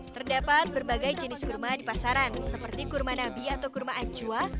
terdapat berbagai jenis kurma di pasaran seperti kurma nabi atau kurma acua